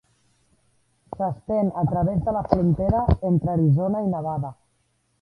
S'estén a través de la frontera entre Arizona i Nevada.